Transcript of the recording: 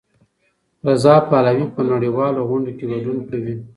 رضا پهلوي په نړیوالو غونډو کې ګډون کوي.